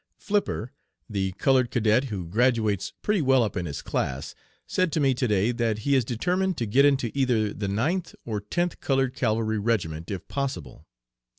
"Flipper, the colored cadet, who graduates pretty well up in his class, said to me to day that he is determined to get into either the Ninth or Tenth colored cavalry regiment if possible.